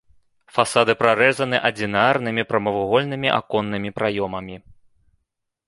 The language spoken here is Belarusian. Фасады прарэзаны адзінарнымі прамавугольнымі аконнымі праёмамі.